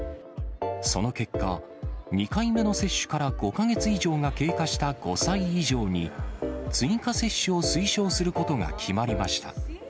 その結果、２回目の接種から５か月以上が経過した５歳以上に、追加接種を推奨することが決まりました。